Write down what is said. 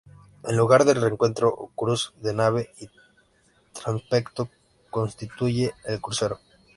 El lugar de encuentro o cruce de nave y transepto constituye el crucero.